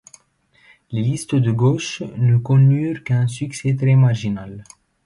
Les listes de gauche ne connurent qu'un succès très marginal.